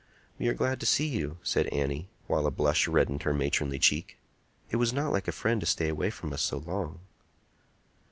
"We are glad to see you," said Annie, while a blush reddened her matronly cheek. "It was not like a friend to stay from us so long."